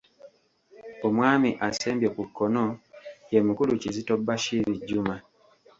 Omwami asembye ku kkono ye mukulu Kizito Bashir Juma.